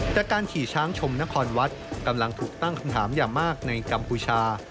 แต่การฉี่ช้างชมนครวัดกำลังถูกตั้งคำถามอย่างมากในกัมพูชา